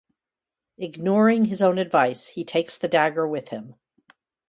Ignoring his own advice, he takes the dagger with him.